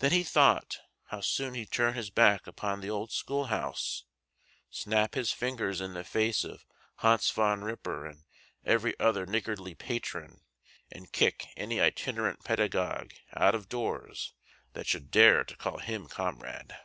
Then, he thought, how soon he'd turn his back upon the old school house, snap his fingers in the face of Hans Van Ripper and every other niggardly patron, and kick any itinerant pedagogue out of doors that should dare to call him comrade!